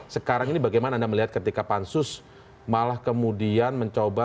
sekarang ini bagaimana anda melihat ketika pansus malah kemudian mencoba